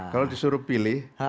kalau disuruh pilih